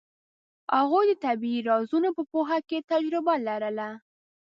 هغوی د طبیعي رازونو په پوهه کې تجربه لرله.